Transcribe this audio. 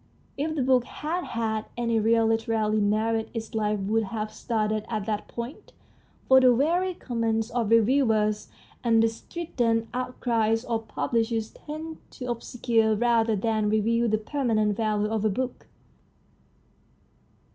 If the book had had any real literary merit its life would have started at that point, for the weary comments of reviewers and the strident outcries of pub lishers tend to obscure rather than reveal the permanent value of a book.